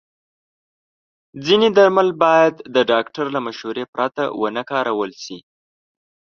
ځینې درمل باید د ډاکټر له مشورې پرته ونه کارول شي.